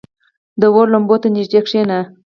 • د اور لمبو ته نږدې کښېنه.